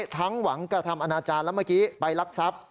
หวังกระทำอนาจารย์แล้วเมื่อกี้ไปรักทรัพย์